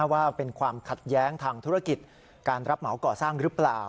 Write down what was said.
ว่าเป็นความขัดแย้งทางธุรกิจการรับเหมาก่อสร้างหรือเปล่า